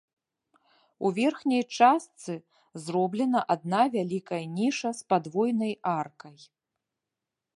У верхняй частцы зроблена адна вялікая ніша з падвойнай аркай.